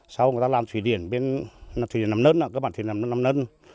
sau người ta làm thủy điện bên thủy điện nằm nơn các bạn thủy điện nằm nơn